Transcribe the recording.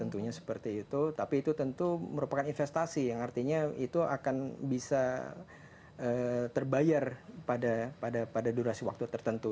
tentunya seperti itu tapi itu tentu merupakan investasi yang artinya itu akan bisa terbayar pada durasi waktu tertentu